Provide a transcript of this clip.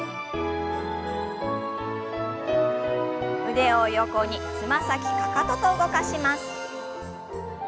腕を横につま先かかとと動かします。